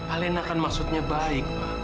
alina kan maksudnya baik pak